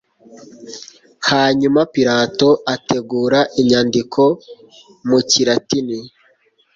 Hanyuma Pilato ategura inyandiko mu kilatini,